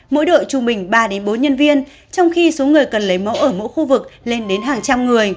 mỗi đội trung bình ba bốn nhân viên trong khi số người cần lấy mẫu ở mỗi khu vực lên đến hàng trăm người